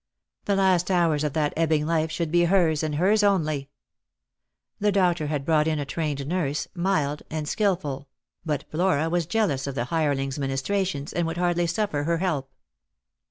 The last hours of tha , ebbing life should be hers, and hers only. The doctor had brought in a trained nurse, mild and skilful; but Flora was jealous of the hireling's ministrations, and would hardly suffer her help.